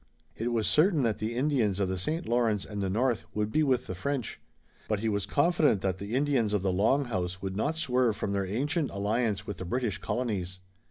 It was certain that the Indians of the St. Lawrence and the North would be with the French, but he was confident that the Indians of the Long House would not swerve from their ancient alliance with the British colonies.